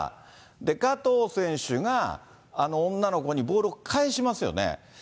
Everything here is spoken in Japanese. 加藤選手があの女の子にボールを返しますよね。